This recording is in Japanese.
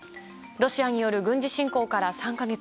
ロシアによる軍事侵攻から３か月。